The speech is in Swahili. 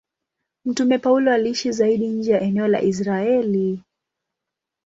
Mtume Paulo aliishi zaidi nje ya eneo la Israeli.